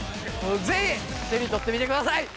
ぜひ手に取ってみてください！